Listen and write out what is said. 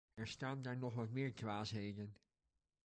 Er staan daar nog wat meer dwaasheden.